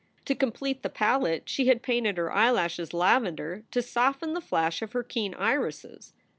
To complete the palette she had painted her eyelashes lavender to soften the flash of her keen irises.